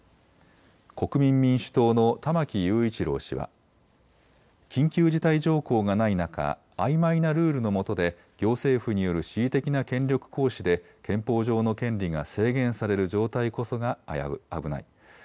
国民民主党の玉木雄一郎氏は緊急事態条項がない中、あいまいなルールのもとで行政府による恣意的な権力行使で憲法上の権利が制限される状態こそが危ない。